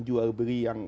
jual beli yang